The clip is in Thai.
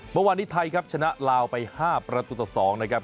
เมื่อวานนี้ไทยครับชนะลาวไป๕ประตูต่อ๒นะครับ